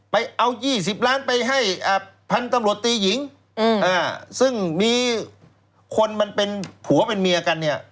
ไปเอา๒๐ล้านไปให้พันธุ์ตำรวจตีหญิงซึ่งมีคนมันเป็นผัวเป็นเมียกันเนี่ย